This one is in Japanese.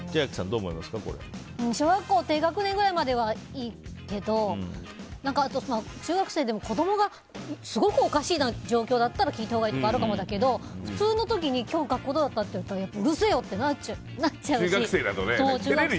小学校低学年くらいまではいいと思うし、中学生でも子供がすごくおかしい状況だったら聞いたほうがいいとかあるかもだけど普通の時に今日学校どうだった？って言われたらうるせえよってなっちゃうし。